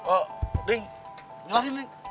oh ding jelasin ding